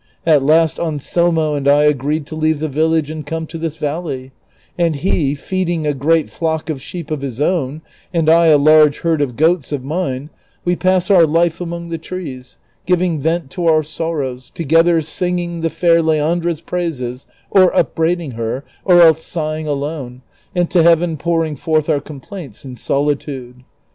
At last Anselmo and I agreed to leave the village and come to this valley ; and, he feeding a great flock of sheep of his own, and I a large herd of goats of mine, we pass our life among the trees, giving vent to om sorrows, too ether singing the fair Leandra's praises, or upbraiding her, or else sio hing alone, and to Heaven pouring forth our complaints in solitude.